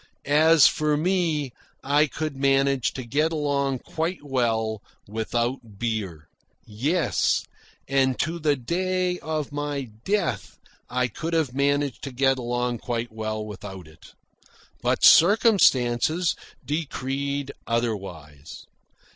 As for me, I could manage to get along quite well without beer. Yes, and to the day of my death I could have managed to get along quite well without it. But circumstance decreed otherwise.